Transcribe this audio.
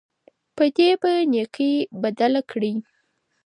بدي په نېکۍ بدله کړئ.